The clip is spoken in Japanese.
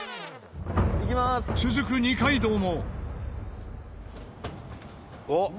続く二階堂も。おっ！